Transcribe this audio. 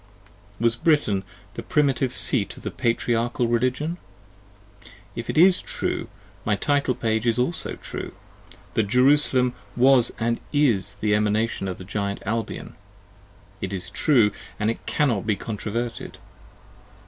Was Britain the Primitive Seat of the Patriarchal Religion? If it is true, my title page is also True, that Jerusalem was & is the Emanation of the Giant Albion. It is True, and 5 cannot be controverted.